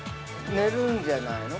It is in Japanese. ◆寝るんじゃないの？